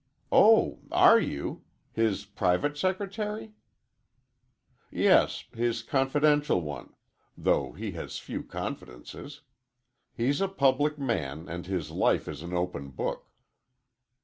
"Oh,—are you! His private secretary?" "Yes—his confidential one,—though he has few confidences. He's a public man and his life is an open book."